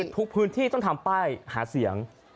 ทุกพื้นที่ต้องทำป้ายหาเสียง